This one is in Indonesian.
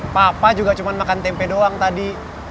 papa juga cuma makan tempe doang tadi